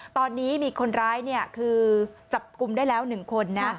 ตอนนี้มีคนร้ายคือจับกลุ่มได้แล้ว๑คนนะ